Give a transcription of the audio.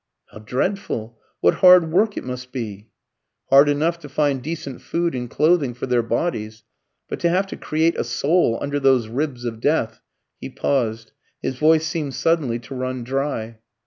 "How dreadful! What hard work it must be!" "Hard enough to find decent food and clothing for their bodies. But to have to 'create a soul under those ribs of death' " he paused. His voice seemed suddenly to run dry.